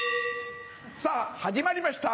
さぁ始まりました